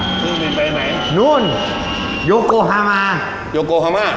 เครื่องบินไปไหนนู่นโยโกฮามาโยโกฮามา